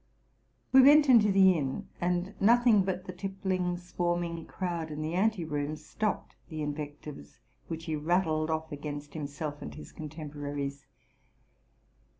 "' We went into the inn; and nothing but the tippling, swarm ing crowd in the ante rooms stopped the invectives which he rattled off against himself and his contemporaries.